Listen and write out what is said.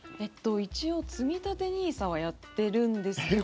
一応、つみたてＮＩＳＡはやってるんですけど。